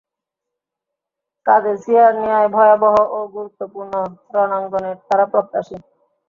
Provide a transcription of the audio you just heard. কাদেসিয়ার ন্যায় ভয়াবহ ও গুরুত্বপূর্ণ রণাঙ্গনের তারা প্রত্যাশী।